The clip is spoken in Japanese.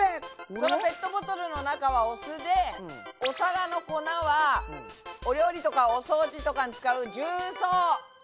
そのペットボトルの中はお酢でお皿の粉はお料理とかお掃除とかに使う重曹。